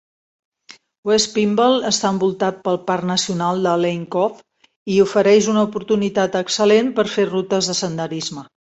West Pymble està envoltat pel Parc Nacional de Lane Cove i ofereix una oportunitat excel·lent per fer rutes de senderisme.